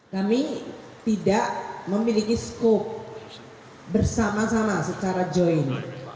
kami tidak memiliki skop bersama sama secara join